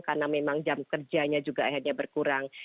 karena memang jam kerjanya juga akhirnya berkurang